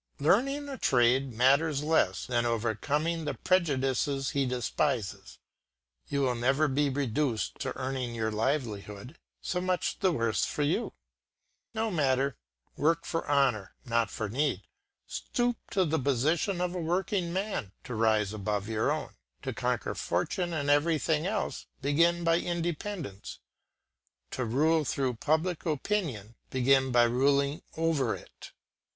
Learning a trade matters less than overcoming the prejudices he despises. You will never be reduced to earning your livelihood; so much the worse for you. No matter; work for honour, not for need: stoop to the position of a working man, to rise above your own. To conquer Fortune and everything else, begin by independence. To rule through public opinion, begin by ruling over it.